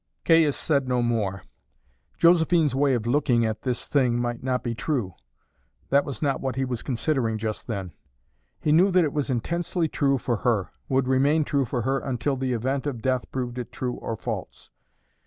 Caius said no more. Josephine's way of looking at this thing might not be true; that was not what he was considering just then. He knew that it was intensely true for her, would remain true for her until the event of death proved it true or false.